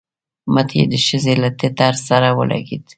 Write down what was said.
مټ يې د ښځې له ټټر سره ولګېد.